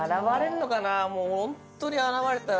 もうホントに現れたら。